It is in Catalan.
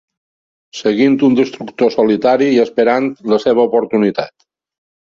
Seguint un destructor solitari i esperant la seva oportunitat.